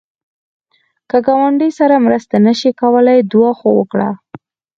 که ګاونډي سره مرسته نشې کولای، دعا خو وکړه